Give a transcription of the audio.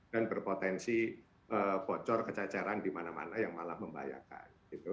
dan berpotensi bocor kecacaran di mana mana yang malah membahayakan